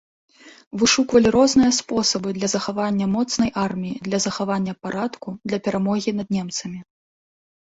Вышуквалі розныя спосабы для захавання моцнай арміі, для захавання парадку, для перамогі над немцамі.